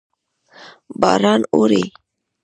باران اوري.